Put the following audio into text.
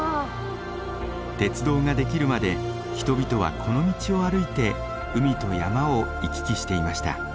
鉄道が出来るまで人々はこの道を歩いて海と山を行き来していました。